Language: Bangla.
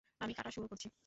আমি কাটা শুরু করছি।